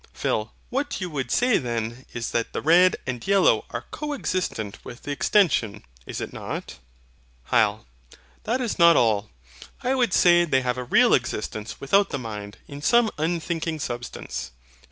PHIL. What you would say then is that the red and yellow are coexistent with the extension; is it not? HYL. That is not all; I would say they have a real existence without the mind, in some unthinking substance.